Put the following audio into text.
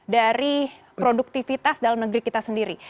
dari produktivitas dalam negeri kita sendiri